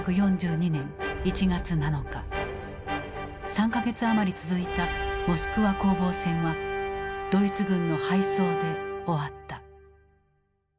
３か月余り続いたモスクワ攻防戦はドイツ軍の敗走で終わった。